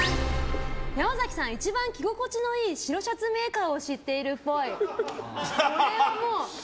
山崎さん一番着心地のいい白シャツメーカーを知っているっぽい。